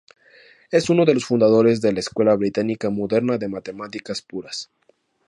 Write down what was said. Es uno de los fundadores de la escuela británica moderna de matemáticas puras.